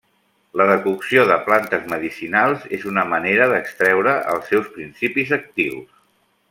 La decocció de plantes medicinals és una manera d'extreure els seus principis actius.